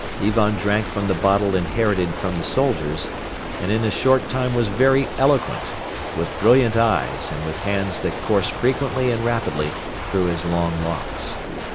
Ivan drank from the bottle inherited from the soldiers and in a short time was very eloquent, with brilliant eyes and with hands that coursed frequently and rapidly through his long locks.